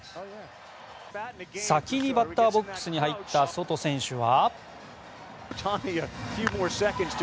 先にバッターボックスに入ったソト選手は。